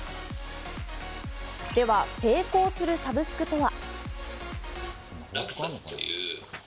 では成功するサブスクとは。